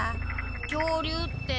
恐竜って。